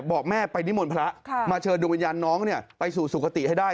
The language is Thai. บอกแม่ไปนิมนต์พระมาเชิญดวงวิญญาณน้องไปสู่สุขติให้ได้